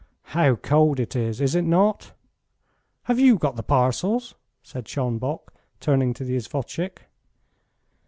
"How cold it is! Is it not? Have you got the parcels?" said Schonbock, turning to the isvostchik.